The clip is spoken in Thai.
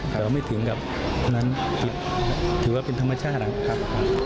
แต่ว่าไม่ถึงกับนั้นถือว่าเป็นธรรมชาตินะครับ